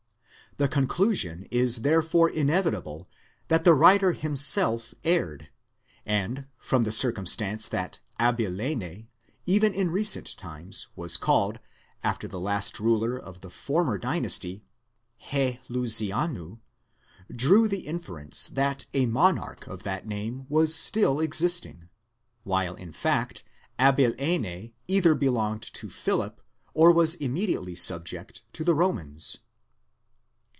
The conclusion is therefore inevitable that the writer himself erred, and, from the circumstance that Abilene, even in recent times, was called, after the last ruler of the former dynasty, ἢ Λυσανίου, drew the inference that amonarch of that name was still existing; while, in fact, Abilene either belonged to Philip, or was immediately subject to the Romans.!